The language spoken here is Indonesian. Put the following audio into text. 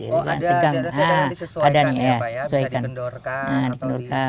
oh ada ada yang disesuaikan ya pak ya bisa dibendorkan atau gitu